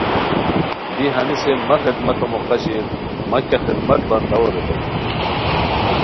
دی ہنیسے مہ خدمتو موقع شیر، مہ کیہ خدمت بنداوے ریتائے